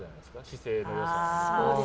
姿勢の良さ。